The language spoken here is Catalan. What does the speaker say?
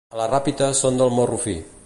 A la Ràpita són del morro fi